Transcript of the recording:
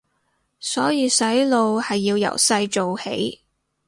所以洗腦係要由細做起